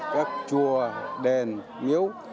các chùa đền miếu